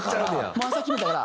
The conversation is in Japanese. もう朝決めたから。